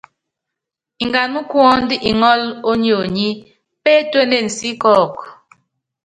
Ngana kuɔ́ndu iŋɔ́lɔ ónyonyí, pétuénen sí kɔkɔ.